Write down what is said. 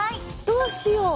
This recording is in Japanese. どうしよう。